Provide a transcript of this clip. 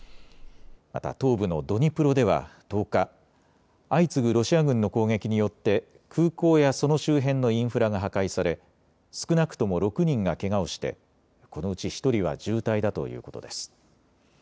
また東部のドニプロでは１０日、相次ぐロシア軍の攻撃によって空港やその周辺のインフラが破壊され少なくとも６人がけがをしてこのうち１人は重体だということです。